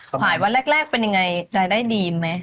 ค่ะขายวันแรกเป็นอย่างไรได้ดีไหม